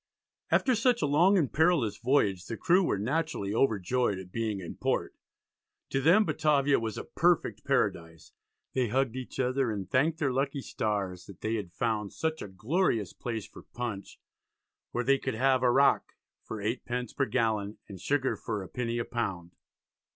After such a long and perilous voyage the crew were naturally overjoyed at being in port. To them Batavia was a perfect paradise. They hugged each other, and thanked their lucky stars that they had found "such a glorious place for Punch, where they could have Arrack for 8d. per gallon, and sugar for 1 penny a pound."